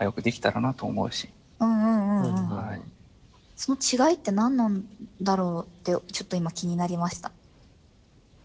その違いって何なんだろうってちょっと今気になりました。